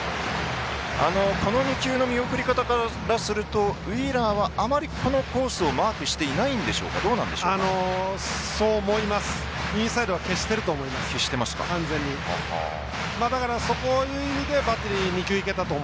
この２球の見送り方からするとウィーラーはあまりこのコースをマークしていないんでしょうか。